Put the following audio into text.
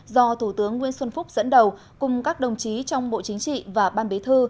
do thủ tướng nguyễn xuân phúc dẫn đầu cùng các đồng chí trong bộ chính trị và ban bế thư